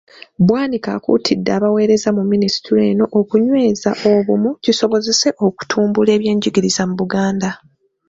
Bwanika akuutidde abaweereza mu Minisitule eno okunyweza obumu, kisobozese okutumbula ebyenjigiriza mu Buganda.